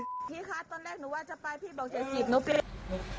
พี่คะตอนแรกหนูว่าจะไปพี่บอก๗๐นะ